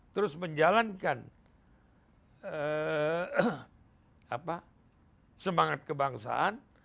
terus menjalankan semangat kebangsaan